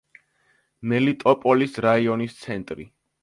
მელიტოპოლის რაიონის ცენტრი.